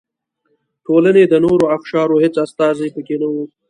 ټولنې د نورو اقشارو هېڅ استازي پکې نه و.